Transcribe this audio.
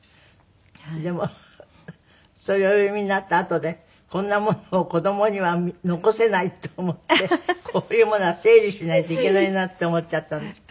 でもそれをお読みになったあとでこんなものを子どもには残せないって思ってこういうものは整理しないといけないなって思っちゃったんですって？